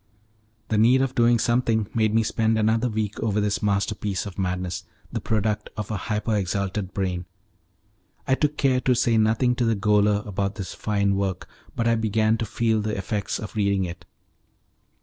The need of doing something made me spend a week over this masterpiece of madness, the product of a hyper exalted brain. I took care to say nothing to the gaoler about this fine work, but I began to feel the effects of reading it.